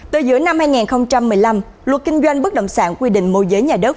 từ giữa năm hai nghìn một mươi năm luật kinh doanh bất động sản quy định môi giới nhà đất